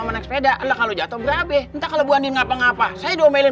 menekpeda adalah kalau jatuh berabeh entah kalau bu andin ngapa ngapa saya doa milen